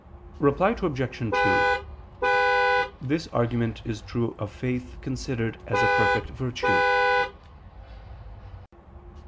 Reply Obj. 2: This argument is true of faith considered as a perfect virtue.